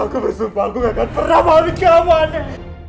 aku bersumpah aku gak akan pernah mahu nikah sama andin